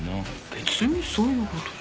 別にそういうことじゃ。